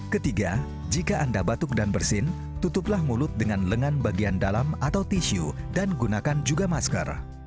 ketiga jika anda batuk dan bersin tutuplah mulut dengan lengan bagian dalam atau tisu dan gunakan juga masker